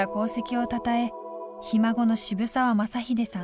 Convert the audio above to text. ひ孫の渋沢雅英さん